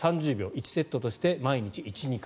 １セットとして毎日１２回。